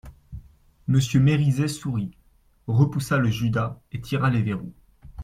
Monsieur Mériset sourit, repoussa le judas et tira les verrous.